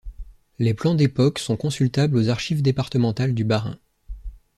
Les plans d'époque sont consultables aux archives départementales du Bas-Rhin.